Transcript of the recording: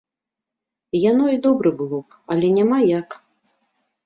Яно і добра было б, але няма як.